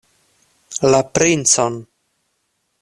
La princon!